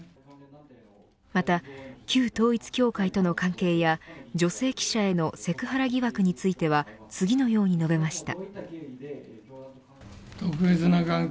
また旧統一教会との関係や女性記者へのセクハラ疑惑については次のように述べました。